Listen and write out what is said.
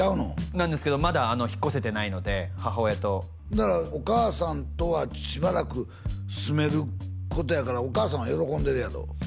なんですけどまだ引っ越せてないので母親とならお母さんとはしばらく住めることやからお母さんは喜んでるやろ？